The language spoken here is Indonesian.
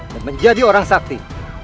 dan menjadi orang sakti